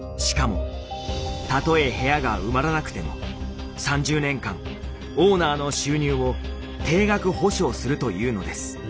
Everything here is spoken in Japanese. しかもたとえ部屋が埋まらなくても３０年間オーナーの収入を定額保証するというのです。